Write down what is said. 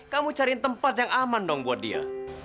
kamu cari tempat yang aman dong buat dia